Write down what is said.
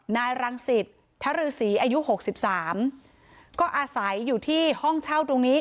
นายรังสิตธรือศรีอายุหกสิบสามก็อาศัยอยู่ที่ห้องเช่าตรงนี้